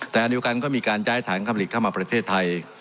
แต่อันเดียวกันก็มีการย้ายฐานคำผลิตเข้ามาประเทศไทย